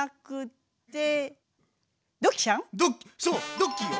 ドッキーよ。